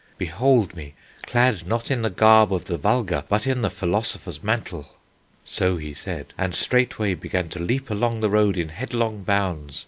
'Behold me clad not in the garb of the vulgar, but in the philosopher's mantle.' So he said, and straightway began to leap along the road in headlong bounds.